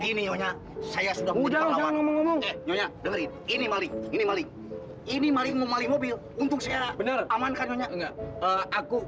ini maling ini maling ini maling mau maling mobil untuk saya bener amankannya enggak aku